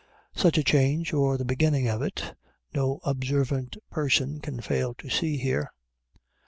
Such a change, or the beginning of it, no observant person can fail to see here.